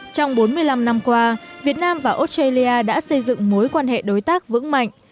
trong bốn mươi năm năm qua việt nam và australia đã xây dựng mối quan hệ đối tác vững mạnh